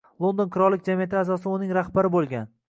London Qirollik jamiyati a`zosi va uning rahbari bo`lgan